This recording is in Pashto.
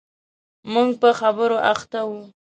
موږ په خبرو اخته و.